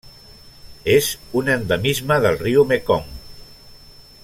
És un endemisme del riu Mekong.